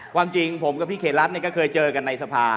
ความจริงผมกับพี่เขตรัฐก็เคยเจอกันในสภา